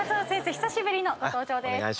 久しぶりのご登場です。